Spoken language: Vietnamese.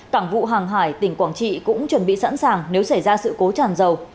cảng vụ hàng hải tỉnh quảng trị cũng chuẩn bị sẵn sàng nếu xảy ra sự cố tràn dầu